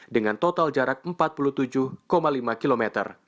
dengan total jarak empat puluh tujuh lima km